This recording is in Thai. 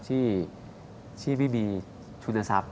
ที่มีชุนทรัพย์